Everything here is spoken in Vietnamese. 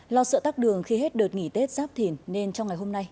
lo sợ tắc đường khi hết đợt nghỉ tết giáp thìn nên trong ngày hôm nay